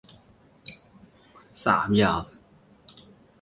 这两栋公寓依然坐落在加州唐尼的第五大街上。